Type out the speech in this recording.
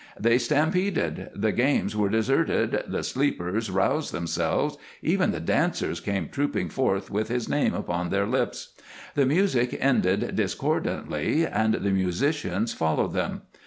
They stampeded, the games were deserted, the "sleepers" roused themselves, even the dancers came trooping forth with his name upon their lips. The music ended discordantly and the musicians followed them.